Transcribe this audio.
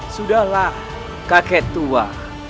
sudahlah kakek tua